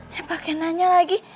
ya pake nanya lagi